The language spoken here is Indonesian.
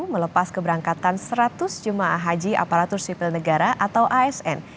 melepas keberangkatan seratus jemaah haji aparatur sipil negara atau asn